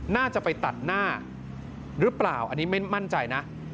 น่าจะไปตัดหน้าหรือเปล่าอันนี้ไม่มั่นใจนะ